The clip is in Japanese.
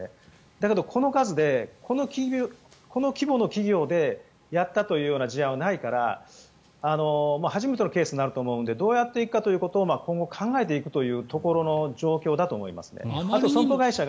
だけど、この数でこの規模の企業でやったという事案はないから初めてのケースになると思うのでどうやっていくかということを今後考えていくというところの状況だと思います。